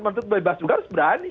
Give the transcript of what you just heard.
menuntut bebas juga harus berani